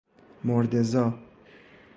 مرده زا